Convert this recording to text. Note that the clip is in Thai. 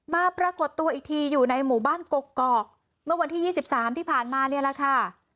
ปรากฏตัวอีกทีอยู่ในหมู่บ้านกกอกเมื่อวันที่๒๓ที่ผ่านมาเนี่ยแหละค่ะ